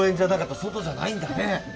外じゃないんだね。